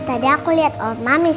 anakku selamatkan mama